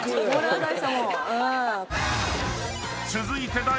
［続いて］